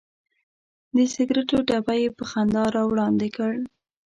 د سګرټو ډبی یې په خندا راوړاندې کړ.